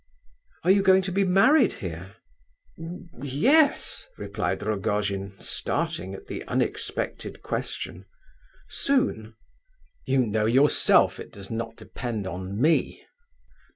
"Are you going to be married here?" "Ye yes!" replied Rogojin, starting at the unexpected question. "Soon?" "You know yourself it does not depend on me."